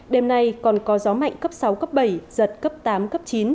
đêm nay còn có gió mạnh cấp sáu cấp bảy giật cấp tám cấp chín